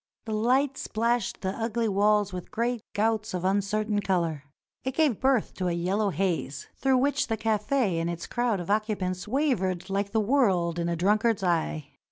The light splashed the ugly walls with great gouts of uncertain color. It gave birth to a yellow haze, through which the cafe and its crowd of occupants wavered like the world in a drunk ard's eye.